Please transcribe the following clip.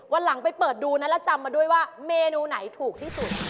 วันหลังไปเปิดดูนั้นแล้วจำมาด้วยว่าเมนูไหนถูกที่สุด